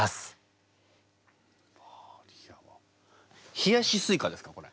「冷やしスイカ」ですかこれ。